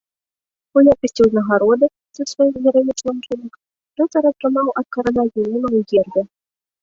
У якасці ўзнагароды за свой гераічны ўчынак рыцар атрымаў ад караля змену ў гербе.